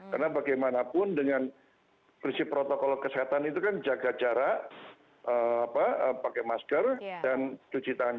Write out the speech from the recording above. karena bagaimanapun dengan prinsip protokol kesehatan itu kan jaga jarak pakai masker dan cuci tangan